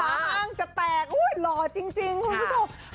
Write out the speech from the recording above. อ้างกระแตกอุ้ยหล่อจริงคุณผู้ชม